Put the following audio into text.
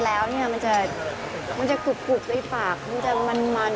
แล้วมันจะกรุบเห็นไหมคะมันจะกรุบมากเลย